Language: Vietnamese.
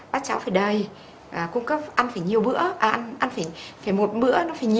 bát cháo phải đầy cung cấp ăn phải nhiều bữa